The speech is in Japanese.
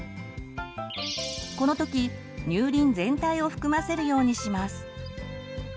この時乳輪全体を含ませるようにします。